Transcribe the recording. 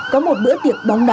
có một bữa tiệc bóng đá